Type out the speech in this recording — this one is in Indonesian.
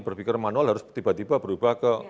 berpikir manual harus tiba tiba berubah ke